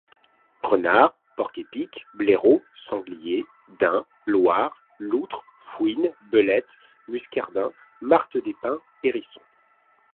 Renard, porc-épic, blaireau, sanglier, daim, loir, loutre, fouine, belette, muscardin, martre des pins, hérisson.